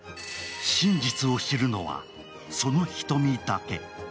真実を知るのは、その瞳だけ。